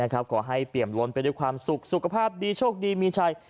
ขอให้เปี่ยมล้นไปด้วยความสุขสุขภาพดีโชคดีมีชัย